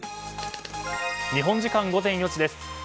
日本時間午前４時です。